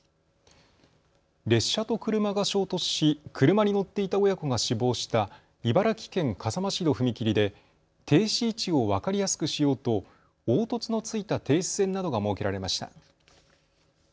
列車と車が衝突し車に乗っていた親子が死亡した茨城県笠間市の踏切で停止位置を分かりやすくしようと凸凹のついた停止線などが設けられました。